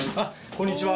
こんにちは。